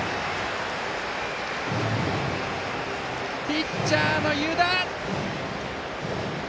ピッチャーの湯田！